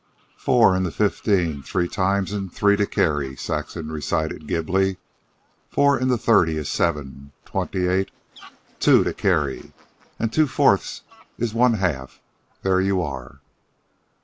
"Four into fifteen, three times and three to carry," Saxon recited glibly. "Four into thirty is seven, twenty eight, two to carry; and two fourths is one half. There you are."